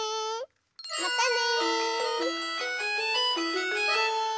またね！